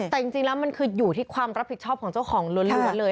แต่จริงแล้วมันคืออยู่ที่ความรับผิดชอบของเจ้าของล้วนเลย